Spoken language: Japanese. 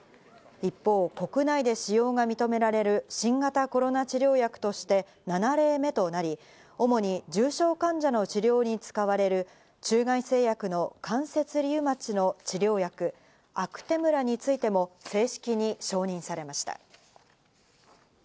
一方、国内で使用が認められる新型コロナ治療薬として７例目となり、主に重症患者の治療に使われる中外製薬の関節リウマチの治療薬、アクテムラについても正式に承認されました。